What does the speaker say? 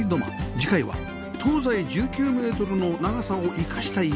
次回は東西１９メートルの長さを生かした家